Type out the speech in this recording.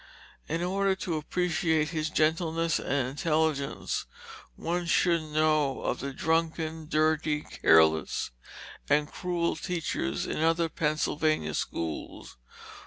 In order to appreciate his gentleness and intelligence, one should know of the drunken, dirty, careless, and cruel teachers in other Pennsylvania schools.